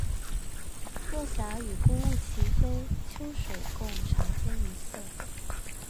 落霞与孤鹜齐飞，秋水与长天共一色。